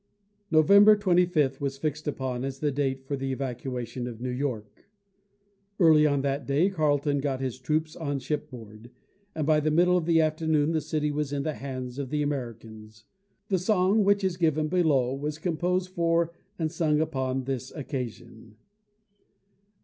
November 25 was fixed upon as the date for the evacuation of New York. Early on that day, Carleton got his troops on shipboard, and by the middle of the afternoon the city was in the hands of the Americans. The song which is given below was composed for and sung upon this occasion.